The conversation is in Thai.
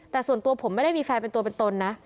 แต่ส่วนตัวผมไม่ได้มีแฟนเป็นตัวเป็นตนนะ